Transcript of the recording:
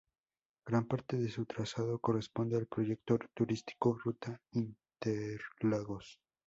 Gran parte de su trazado corresponde al Proyecto Turístico "Ruta Interlagos".